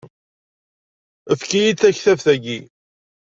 Efk-iyi-d taktabt-agi.